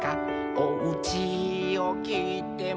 「おうちをきいても」